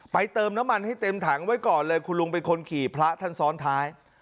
เติมน้ำมันให้เต็มถังไว้ก่อนเลยคุณลุงเป็นคนขี่พระท่านซ้อนท้าย